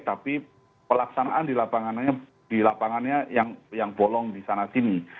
tapi pelaksanaan di lapangannya yang bolong di sana sini